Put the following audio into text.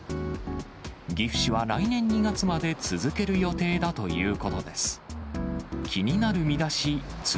岐阜市は来年２月まで続ける予定だということです。